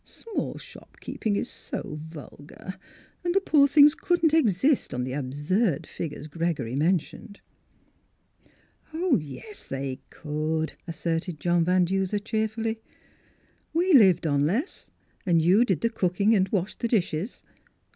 Small shop keeping is so vulgar, and the poor things couldn't exist on the absurd figures Gregory mentioned." " Oh, yes they could," asserted John Van Duser cheerfully. " We lived on less^ and you did the cooking and washed the dishes.